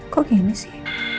kok gini sih